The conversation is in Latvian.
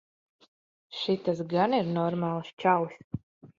Šitas gan ir normāls čalis.